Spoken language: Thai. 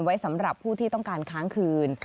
ไว้สำหรับผู้ที่ต้องการค้างคืน